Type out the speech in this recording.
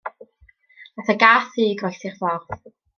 Nath y gath ddu groesi'r ffordd.